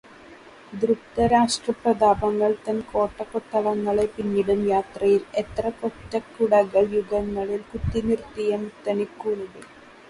ദ്രുപ്തരാഷ്ട്ര പ്രതാപങ്ങൾതൻ കോട്ടകൊത്തളങ്ങളെപ്പിന്നിടും യാത്രയിൽ എത്ര കൊറ്റക്കുടകൾ യുഗങ്ങളിൽ കുത്തിനിർത്തിയ മുത്തണിക്കൂണുകൾ